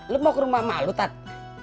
lu mau ke rumah mak lu tati